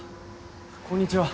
こんにちは。